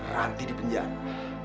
ranti di penjara